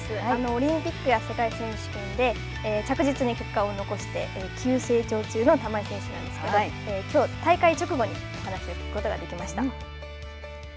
オリンピックや世界選手権で着実に結果を残して急成長中の玉井選手なんですけどきょう、大会直後にお話を聞くことができました。